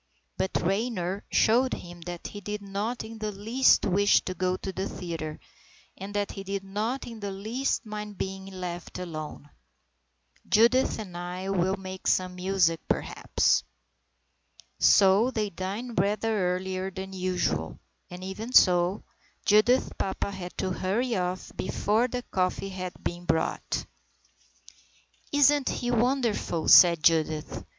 But Raynor showed him that he did not in the least wish to go to the theatre and that he did not in the least mind being left alone. "Judith and I will make some music, perhaps." So they dined rather earlier than usual, and even so, Judith's papa had to hurry off before the coffee had been brought. 155 156 STORIES IN GREY "Isn't he wonderful?" said Judith.